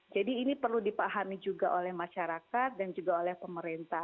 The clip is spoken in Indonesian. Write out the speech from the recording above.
jadi ini perlu dipahami juga oleh masyarakat dan juga oleh pemerintah